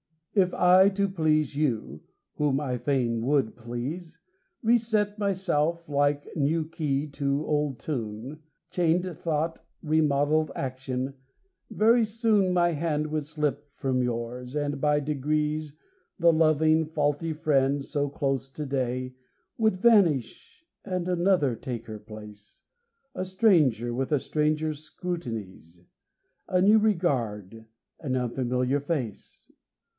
If I, to please you (whom I fain would please), Reset myself like new key to old tune, Chained thought, remodelled action, very soon My hand would slip from yours, and by degrees The loving, faulty friend, so close to day, Would vanish, and another take her place, A stranger with a stranger's scrutinies, A new regard, an unfamiliar face.